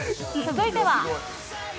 続いては。